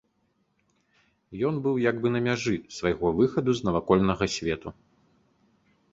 Ён быў як бы на мяжы свайго выхаду з навакольнага свету.